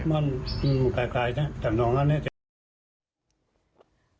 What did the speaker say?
มันมันมันปลายแต่นอนนั้นเนี่ย